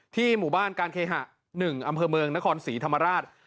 หมู่บ้านการเคหะ๑อำเภอเมืองนครศรีธรรมราช